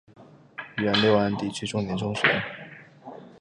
原六安地区重点中学。